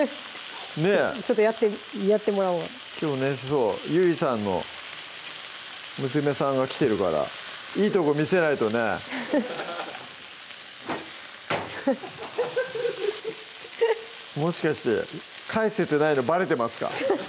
ちょっとやってもらおうきょうねそうゆりさんの娘さんが来てるからいいとこ見せないとねもしかして返せてないのばれてますか？